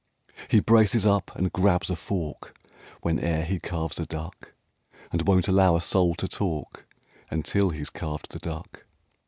He braces up and grabs a fork Whene'er he carves a duck And won't allow a soul to talk Until he's carved the duck.